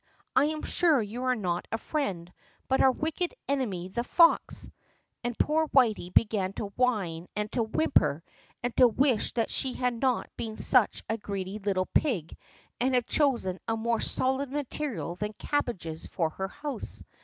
I am sure you are not a friend, but our wicked enemy the fox." And poor Whity began to whine and to whimper, and to wish that she had not been such a greedy little pig and had chosen a more solid material than cabbages for her house.